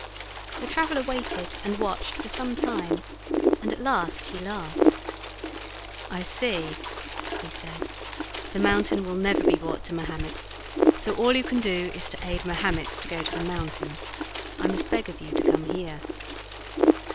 The traveller waited and watched for some time, and at last he laughed. I was mortally afraid of its trampling forefeet "I see," he said, "the mountain will never be brought to Mahomet, so all you can do is to aid Mahomet to go to the mountain; I must beg of you to come here."